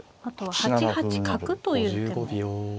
８八角という手も。